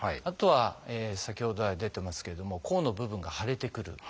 あとは先ほど来出てますけれども甲の部分が腫れてくる。